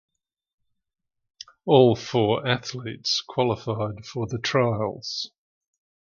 All four athletes qualified for the trials.